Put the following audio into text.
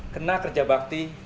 kena kerja bakti